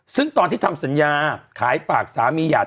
ซึ่งตอนที่ทำสัญญาขายฝากสามีหยาด